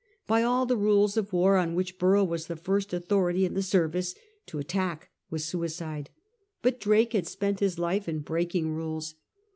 By all the rules of war, on which Borough was the first authority in the service, to attack was suicide; but Drake had spent his life in breaking rules.